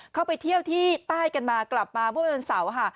เข้าไปเที่ยวที่ใต้กันมากลับมาบ้านโบมนเสาฮะ